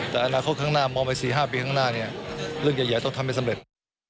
แต่อนาคตข้างหน้ามองไป๔๕ปีข้างหน้าเนี่ยเรื่องใหญ่ต้องทำให้สำเร็จ